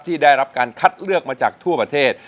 ที่ได้รับการคัดเลือกมาจากทั่วประเทศ